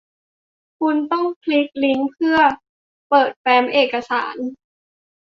คุณต้องคลิกลิ้งก์เพื่อเปิดแฟ้มเอกสาร